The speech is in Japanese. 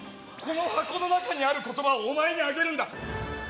この箱の中にあることばをお前にあげるんだ。